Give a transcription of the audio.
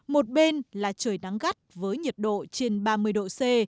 một bên là trời nắng gắt với nhiệt độ trên ba mươi độ c